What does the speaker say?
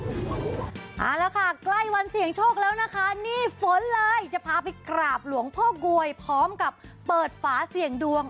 เอาละค่ะใกล้วันเสี่ยงโชคแล้วนะคะนี่ฝนเลยจะพาไปกราบหลวงพ่อกวยพร้อมกับเปิดฝาเสี่ยงดวง